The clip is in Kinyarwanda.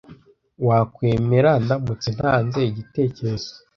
Wakwemera ndamutse ntanze igitekerezo?